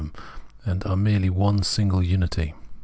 them, and are merely one single unity.